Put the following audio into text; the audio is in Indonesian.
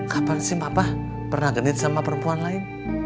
kapan sih papa pernah genit sama perempuan lain